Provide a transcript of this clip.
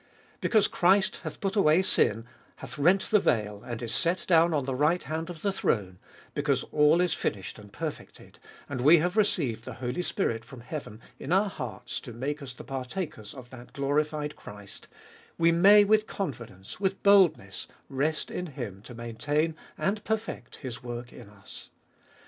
Because Christ hath put away sin, hath rent the veil, and is set down on the right hand of the throne, — because all is finished and perfected, and we have received the Holy Spirit from heaven in our hearts to make us the partakers of that glorified Christ, we may with confidence, with boldness, rest in Him to main tain and perfect His work in us.